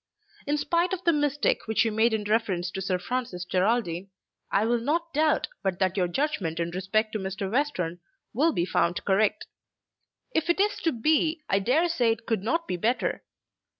In spite of the mistake which you made in reference to Sir Francis Geraldine, I will not doubt but that your judgment in respect to Mr. Western will be found correct. If it is to be I dare say it could not be better.